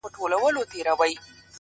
• هره ورځ به دي تورونه ډک له ښکار سي ,